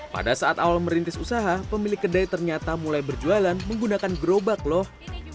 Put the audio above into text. pada saat awal merintis usaha pemilik kedai ternyata mulai berjualan menggunakan gerobak loh